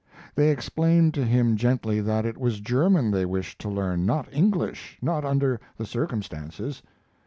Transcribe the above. They explained to him gently that it was German they wished to learn, not English not under the circumstances.